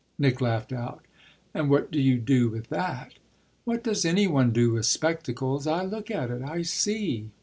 Nick laughed out. "And what do you do with that?" "What does any one do with spectacles? I look at it. I see."